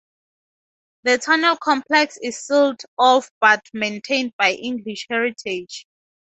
The tunnel complex is sealed off but maintained by English Heritage.